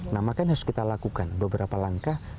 nah makanya harus kita lakukan beberapa langkah